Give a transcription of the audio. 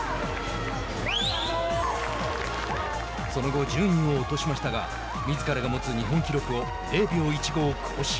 その後、順位を落としましたがみずからが持つ日本記録を０秒１５更新。